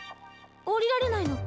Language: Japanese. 降りられないのけ？